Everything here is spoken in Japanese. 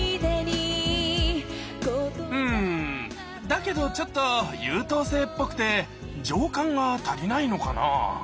うんだけどちょっと優等生っぽくて情感が足りないのかな？